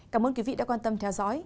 cảm ơn quý vị đã quan tâm theo dõi